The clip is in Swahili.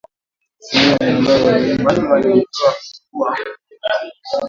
zinasema wanadai zaidi ya shilingi bilioni ishirini za Kenya dola mia sabini na tatu